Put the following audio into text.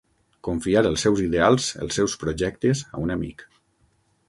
Confiar els seus ideals, els seus projectes, a un amic.